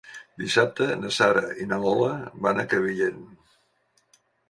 Dissabte na Sara i na Lola van a Crevillent.